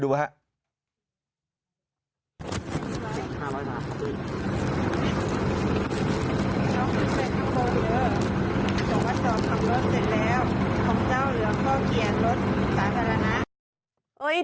ของเจ้าเหลือข้อเขียนรถสารร้านะ